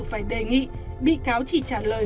phải đề nghị bị cáo chỉ trả lời